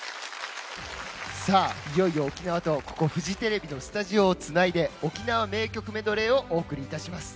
さあ、いよいよ沖縄とここフジテレビのスタジオをつないで沖縄名曲メドレーをお送りいたします。